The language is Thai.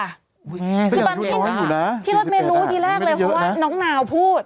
คือตอนที่รถเมย์รู้ทีแรกเลยเพราะว่าน้องนาวพูด